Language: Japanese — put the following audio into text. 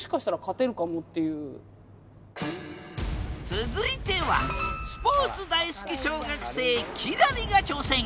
続いてはスポーツ大好き小学生輝星が挑戦！